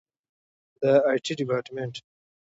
د آی ټي ډیپارټمنټ